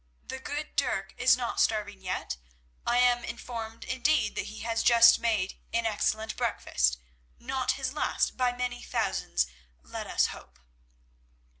The good Dirk is not starving yet; I am informed, indeed, that he has just made an excellent breakfast—not his last by many thousands, let us hope."